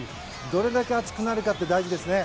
どれだけ熱くなるかが大事ですね。